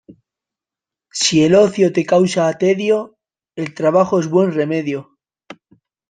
Si el ocio te causa tedio, el trabajo es buen remedio.